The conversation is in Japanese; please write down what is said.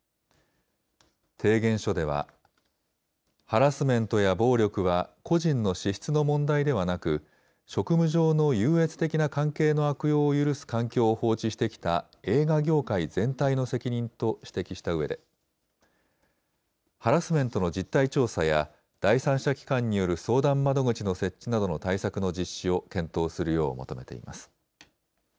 提言書では、ハラスメントや暴力は個人の資質の問題ではなく、職務上の優越的な関係の悪用を許す環境を放置してきた映画業界全体の責任と指摘したうえで、ハラスメントの実態調査や、第三者機関による相談窓口の設置などの対策の実施を検討するよう求めています。